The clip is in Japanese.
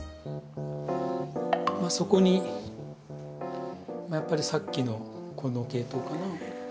そこにやっぱりさっきのこの系統かな。